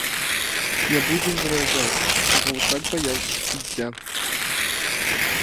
Не будзем варажыць, чаго так баяўся суддзя.